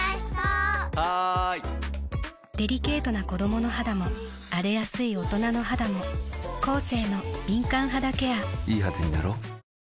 デリケートな子どもの肌も荒れやすい大人の肌もコーセーの「敏感肌ケア」いい肌になろう。